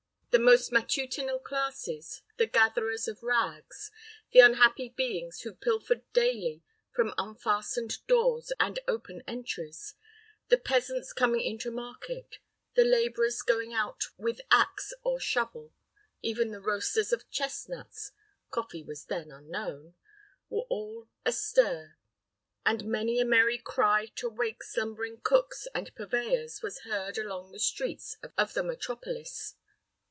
The most matutinal classes the gatherers of rags: the unhappy beings who pilfered daily from unfastened doors and open entries: the peasants coming into market: the laborers going out with ax or shovel: even the roasters of chestnuts (coffee was then unknown) were all astir, and many a merry cry to wake slumbering cooks and purveyors was heard along the streets of the metropolis.